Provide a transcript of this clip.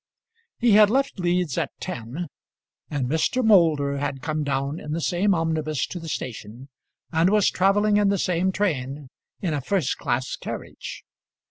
He had left Leeds at ten, and Mr. Moulder had come down in the same omnibus to the station, and was travelling in the same train in a first class carriage.